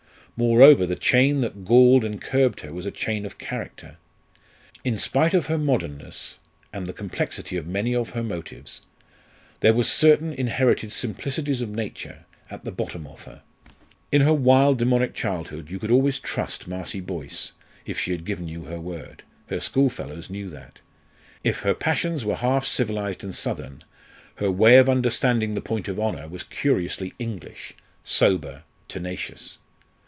Moreover, the chain that galled and curbed her was a chain of character. In spite of her modernness, and the complexity of many of her motives, there was certain inherited simplicities of nature at the bottom of her. In her wild demonic childhood you could always trust Marcie Boyce, if she had given you her word her schoolfellows knew that. If her passions were half civilised and southern, her way of understanding the point of honour was curiously English, sober, tenacious.